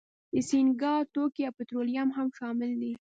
د سینګار توکي او پټرولیم هم شامل دي.